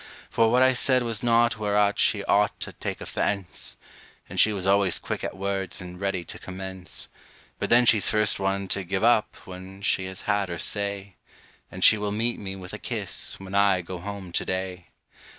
For what I said was naught whereat she ought to take offense; And she was always quick at words and ready to commence. But then she's first one to give up when she has had her say; And she will meet me with a kiss, when I go home to day.